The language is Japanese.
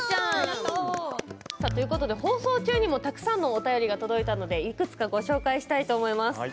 放送中にもたくさんのお便りが届いたのでいくつかご紹介したいと思います。